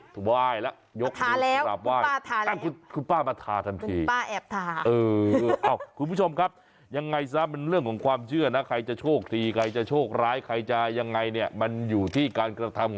ใช่ไหมคนเรามันมีความตั้งใจต้องนับทูบให้ครบ